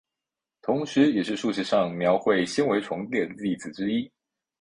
同时也是数学上描绘纤维丛的例子之一。